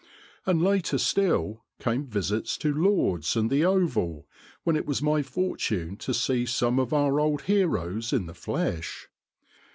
And later still came visits to Lord's and the Oval, when it was my fortune to see some of our old heroes in the flesh.